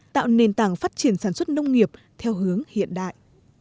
tạo nền tảng phát triển sản xuất nông nghiệp theo hướng hiện đại